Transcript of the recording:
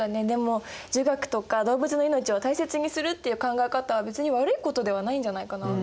でも儒学とか動物の命を大切にするっていう考え方は別に悪いことではないんじゃないかな。